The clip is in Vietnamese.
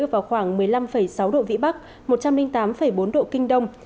vào khoảng một mươi năm sáu độ vĩ bắc một trăm linh tám bốn độ kinh đông